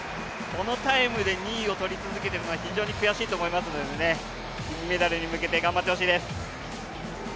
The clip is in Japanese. このタイムで２位を取り続けてるのは非常に悔しいと思いますので金メダルに向けて頑張ってほしいです。